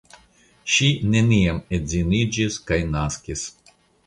Ŝi neniam edziniĝis kaj naskis.